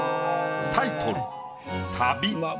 タイトル。